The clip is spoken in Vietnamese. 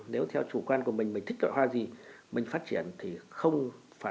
nếu theo chủ quan của mình mình thích gọi hoa gì thì mình sẽ thích gọi hoa gì